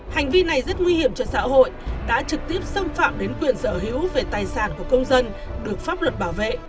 hành vi này rất nguy hiểm cho xã hội đã trực tiếp xâm phạm đến quyền sở hữu về tài sản của công dân được pháp luật bảo vệ